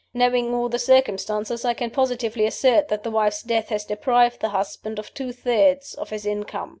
Knowing all the circumstances, I can positively assert that the wife's death has deprived the husband of two thirds of his income.